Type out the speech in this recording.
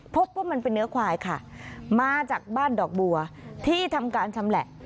พบว่ามันเป็นเนื้อควายค่ะมาจากบ้านดอกบัวที่ทำการชำแหละ